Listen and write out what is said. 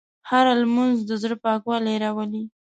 هره لمونځ د زړه پاکوالی راولي.